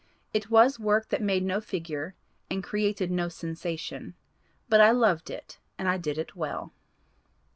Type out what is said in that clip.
It was work that made no figure and created no sensation; but I loved it and I did it well."